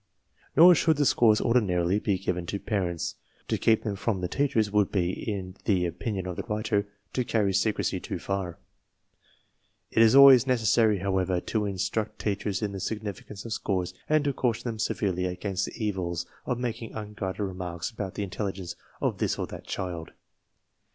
j^pr should the scores ordinarily be given to parents. To keep them ?rom the teachers would be, in the opin ion of the writer, to carry secrecy too far. It is always necessary, however, to instruct teachers in the signifi cance of scores and to caution them severely against the THE PROBLEM 25 evils of making unguarded remarks about the intelli gence of this or that child.